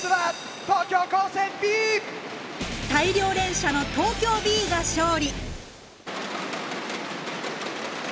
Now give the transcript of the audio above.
大量連射の東京Ｂが勝利！